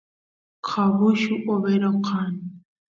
cabullu overo kan